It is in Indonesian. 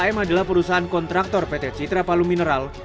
pt akam adalah perusahaan kontraktor pt citra palu mineral